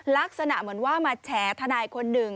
ลักษณะเหมือนว่ามาแฉทนายคนหนึ่ง